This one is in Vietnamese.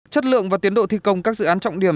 chất lượng và tiến độ thi công các dự án trọng điểm